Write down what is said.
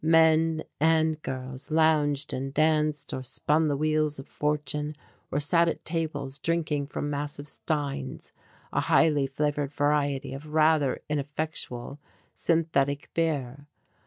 Men and girls lounged and danced, or spun the wheels of fortune or sat at tables drinking from massive steins, a highly flavoured variety of rather ineffectual synthetic beer.